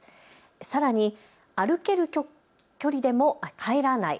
さらに歩ける距離でも帰らない。